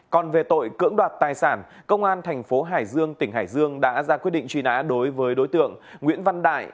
còn về tội cưỡng đoạt tài sản công an thành phố hải dương tỉnh hải dương đã ra quyết định truy nã đối với đối tượng nguyễn văn đại